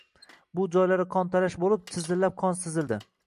Bu joylari qontalash bo‘lib, chizillab qon sizildi.